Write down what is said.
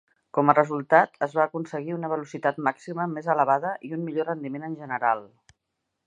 Com a resultat, es va aconseguir una velocitat màxima més elevada i un millor rendiment en general.